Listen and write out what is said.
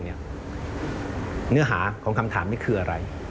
เนื้อหาของคำถามนี้คืออะไร